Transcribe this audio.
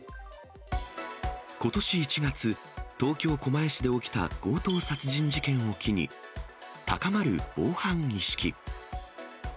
ことし１月、東京・狛江市で起きた強盗殺人事件を機に、高まる防犯意識。